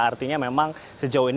artinya memang sejauh ini